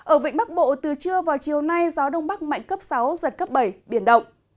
ở vịnh bắc bộ từ trưa vào chiều nay gió đông bắc mạnh cấp sáu giật cấp bảy biển động